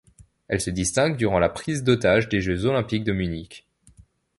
Elle se distingue durant la Prise d'otages des Jeux olympiques de Munich.